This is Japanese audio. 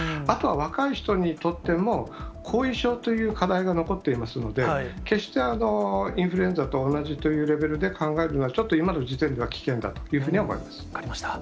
あとは、若い人にとっても、後遺症という課題が残っていますので、決してインフルエンザと同じというレベルで考えるのは、ちょっと今の時点では危険だというふうには思います。